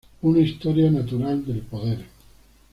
Una historia natural del poder".